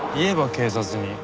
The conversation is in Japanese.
警察に。